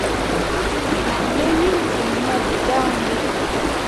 Nan may wi Zumma vi dawn ɗi.